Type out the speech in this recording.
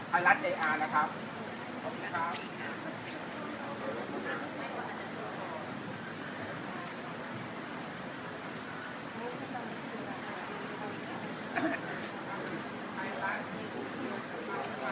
ถ้าเราโหลดแอฟแฟคัชั่นเสร็จ